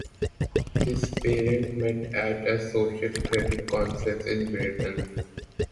His parents met at a social credit conference in Britain.